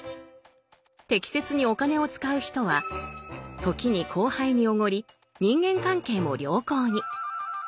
適切にお金を使う人は時に後輩におごり人間関係も良好に。